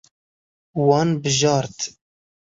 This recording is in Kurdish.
Wan bijart.